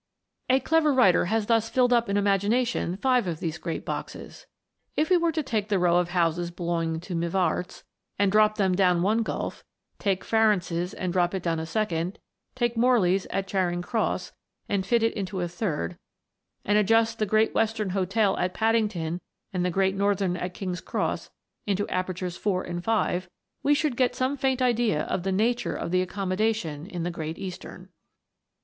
A clever writer has thus filled up in imagination five of these great boxes :" If we were to take the row of houses belonging to Mivart's, and drop them down one gulf; take Farrance's, and drop it down a second ; take Mor 326 THE WONDERFUL LAMP. ley's, at Charing Cross, and fit it into a third ; and adjust the Great Western Hotel, at Paddington, and the Great Northern, at King's Cross, into apertures four and five, we should get some faint idea of the nature of the accommodation in the Great Eastern."